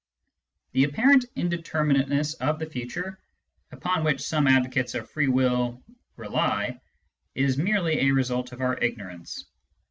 The apparent indeterminateness of the future, upon which some advocates of free will rely, is merely a result of our ignorance.